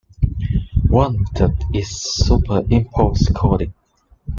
One method is superimposed coding.